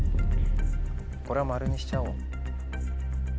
これは「○」にしちゃおう。